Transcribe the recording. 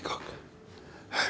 「はい。